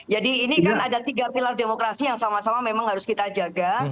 jadi ini kan ada tiga pilar demokrasi yang sama sama memang harus kita jaga